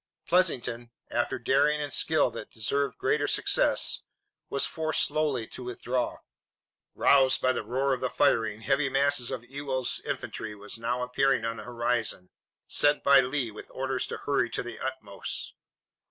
Pleasanton, after daring and skill that deserved greater success, was forced slowly to withdraw. Roused by the roar of the firing, heavy masses of Ewell's infantry were now appearing on the horizon, sent by Lee, with orders to hurry to the utmost.